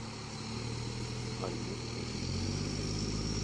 Алйот һин!